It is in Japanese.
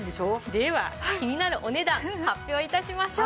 では気になるお値段発表致しましょう。